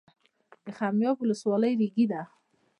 د خمیاب ولسوالۍ ریګي ده